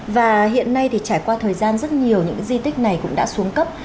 và hiện nay thì trải qua thời gian rất nhiều những di tích này cũng đã xuống cấp